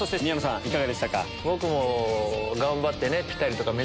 いかがでしたか？